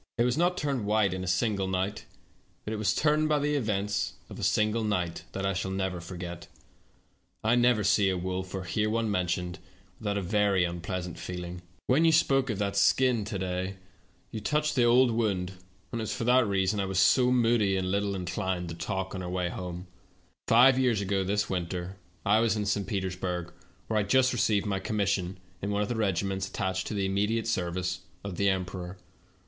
It was not turned white in a single night, but it was turned by the events of a single night that I shall never forget. I never see a wolf, or hear one mentioned, without a very unpleasant feeling. When you spoke of that skin to day you/ 160 THE TALKING HANDKERCHIEF. touched the old wound, and it was for that rea son that I was so moody and little inclined to talk on our way home. " Five years ago this winter I was in St. Peters burg, where I had just received my commission in one of the regiments attached to the immediate service of the emperor.